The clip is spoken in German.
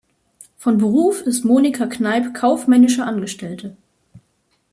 Von Beruf ist Monika Kneip kaufmännische Angestellte.